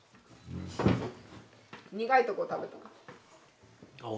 苦いとこ食べたら。